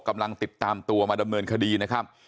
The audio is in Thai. กำลังติดตามตัวมาดำเนินคดีนะครับ